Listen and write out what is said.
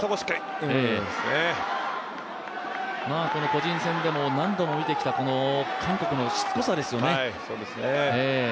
個人戦でも何度も見てきた韓国のしつこさですよね。